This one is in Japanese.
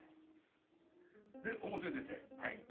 で表出てはい。